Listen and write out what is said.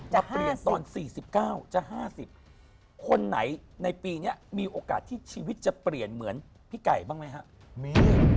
จะเปลี่ยนตอน๔๙จะ๕๐คนไหนในปีนี้มีโอกาสที่ชีวิตจะเปลี่ยนเหมือนพี่ไก่บ้างไหมครับ